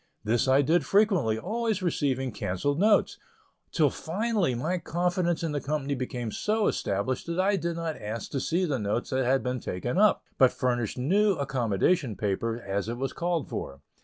This I did frequently, always receiving cancelled notes, till finally my confidence in the company became so established that I did not ask to see the notes that had been taken up, but furnished new accommodation paper as it was called for.